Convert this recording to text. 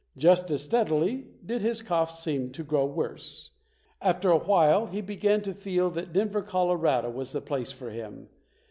Just as stead ily did his cough seem to grow worse. After a while, he began to feel that Denver, Colorado, was the place for him.